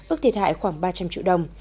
ước thiệt hại khoảng ba trăm linh triệu đồng